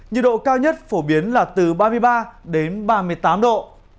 nhiệt độ cao nhất phổ biến là từ ba mươi ba đến ba mươi tám độ